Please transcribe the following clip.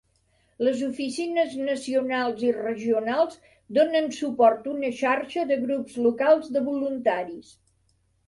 Les oficines nacionals i regionals donen suport una xarxa de grups locals de voluntaris.